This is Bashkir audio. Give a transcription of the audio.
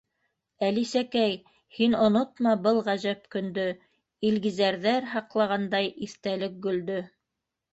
Әлисәкәй, һин онотма Был ғәжәп көндө, Илгиҙәрҙәр һаҡлағандай Иҫтәлек гөлдө —